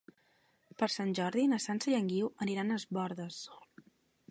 Per Sant Jordi na Sança i en Guiu aniran a Es Bòrdes.